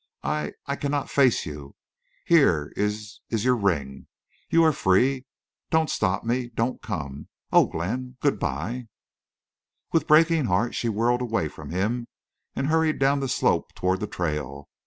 "I—I cannot face you.... Here is—your ring.... You—are—free.... Don't stop me—don't come.... Oh, Glenn, good by!" With breaking heart she whirled away from him and hurried down the slope toward the trail.